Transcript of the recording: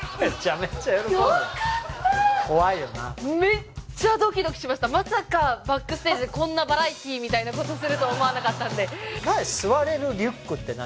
めっちゃドキドキしましたまさか「ＢＡＣＫＳＴＡＧＥ」でこんなバラエティーみたいなことすると思わなかったんで何？